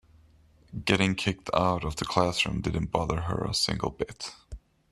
Getting kicked out of the classroom didn't bother her a single bit.